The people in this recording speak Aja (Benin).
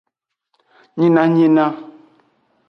Nyinanyina.